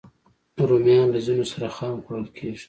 رومیان له ځینو سره خام خوړل کېږي